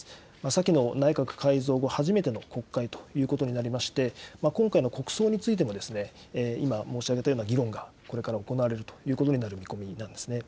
先の内閣改造後、初めての国会ということになりまして、今回の国葬についても今、申し上げたような議論がこれから行われるという見込みになるんですね。